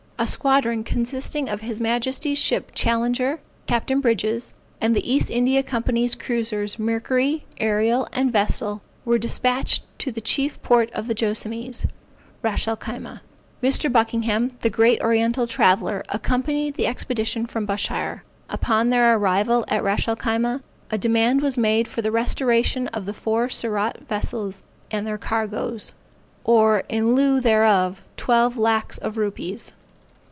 A squadron consisting of His Majesty's ship Challenger, Captain Brydges, and the East India Company's cruisers, Mercury, Ariel, and Vestal, were despatched to the chief port of the Joassamees, Ras el Khyma. Mr. Buckingham the Great Oriental traveller, accompanied the expedition from Bushire. Upon their arrival at Ras el Khyma, a demand was made for the restoration of the four Surat vessels and their cargoes; or in lieu thereof twelve lacks of rupees.